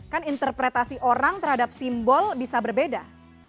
kan interpretasi orang terhadap simbol bisa berbeda